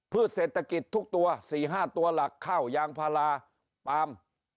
พืชเศรษฐกิจทุกตัวสี่ห้าตัวหลักเข้ายางพาราปาล์ม